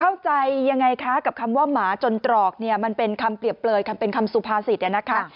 เข้าใจยังไงคะกับคำว่าหมาจนตรอกเนี่ยมันเป็นคำเปรียบเปลยคำเป็นคำสุภาษิตนะคะ